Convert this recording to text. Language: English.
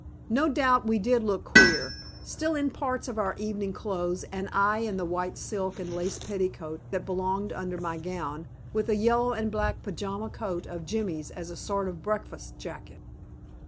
No doubt we did look queer, still in parts of our evening clothes and I in the white silk and lace petticoat that belonged under my gown, with a yellow and black pajama coat of Jimmy's as a sort of breakfast jacket.